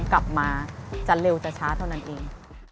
กลับมาจะเร็วจะช้าเท่านั้นเอง